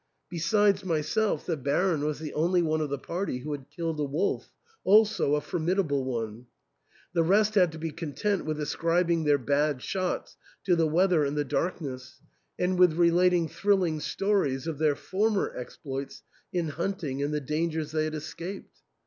Be THE ENTAIL. 253 sides myself the Biaroii was the only one of the party who had killed a wolf — also a formidable one ; the rest had to be content with ascribing their bad shots to the weather and the darkness, and with relating thrilling stories of their former exploits in hunting and the dan gers they had escaped.